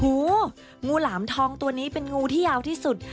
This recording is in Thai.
งูงูหลามทองตัวนี้เป็นงูที่ยาวที่สุด